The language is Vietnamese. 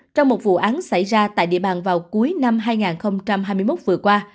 trong một vụ án xảy ra tại địa bàn vào cuối năm hai nghìn hai mươi một vừa qua